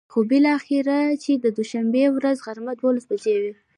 خو بلااخره چې د دوشنبې ورځ غرمه ،دولس بچې وې.